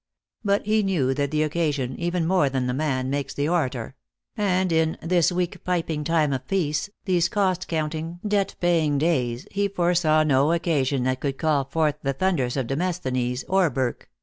But he knew that the occasion, even more than the man, makes the orator ; and in this weak piping time of peace, these cost counting, debt paying days, he foresaw no occasion that could call forth the thunders of Demosthenes or Burke.